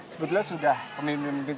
sebetulnya sudah pemimpin pemimpin